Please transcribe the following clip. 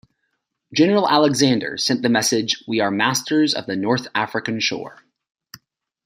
General Alexander sent the message, We are masters of the North African shore.